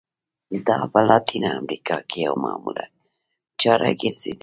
دا په لاتینه امریکا کې یوه معمول چاره ګرځېدلې.